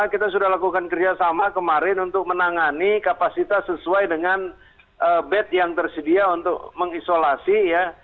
kita sudah lakukan kerjasama kemarin untuk menangani kapasitas sesuai dengan bed yang tersedia untuk mengisolasi ya